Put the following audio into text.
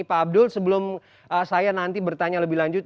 pak abdul sebelum saya nanti bertanya lebih lanjut